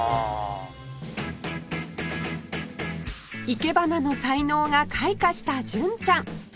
いけばなの才能が開花した純ちゃん